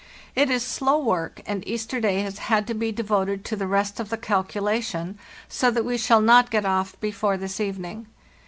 It is slow work, and Easter day has had to be devoted to the rest of the calculation, so that we shall not get off before this evening.